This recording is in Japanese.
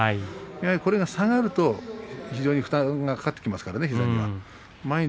これが下がると非常に負担がかかってきます、膝に。